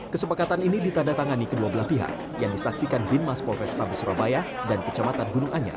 kesepakatan ini ditandatangani kedua belah pihak yang disaksikan bin mas polrestabes surabaya dan kecamatan gunung anyar